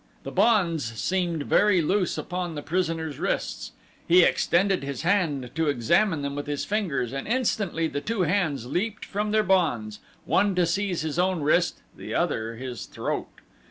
The bonds seemed very loose upon the prisoner's wrists. He extended his hand to examine them with his fingers and instantly the two hands leaped from their bonds one to seize his own wrist, the other his throat.